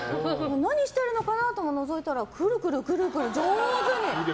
何してるのかなって、のぞいたらくるくるくるくる上手に。